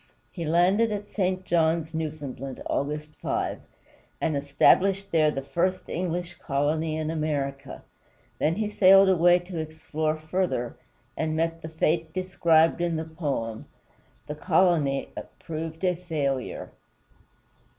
He landed at St. John's, Newfoundland, August 5, and established there the first English colony in North America. Then he sailed away to explore further, and met the fate described in the poem. The colony proved a failure.